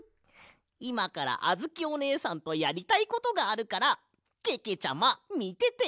いまからあづきおねえさんとやりたいことがあるからけけちゃまみてて。